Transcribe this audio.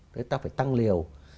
thế ta phải tăng liều